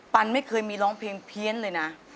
ันไม่เคยมีร้องเพลงเพี้ยนเลยนะ